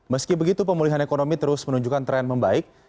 meski begitu pemulihan ekonomi terus menunjukkan tren membaik